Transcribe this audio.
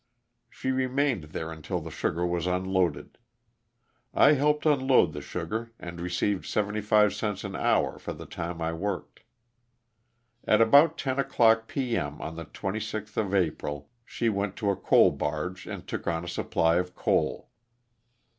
She remained there until the sugar was unloaded. I helped unload the sugar and received seventy five cents an hour for the time I worked. At about ten o'clock p. m. of the 26th of April she went to a coal barge and took on a supply of coal.